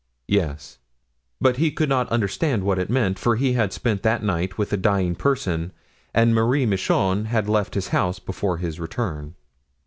"Yes, but he couldn't understand what it meant, for he had spent that night with a dying person and Marie Michon had left his house before his return."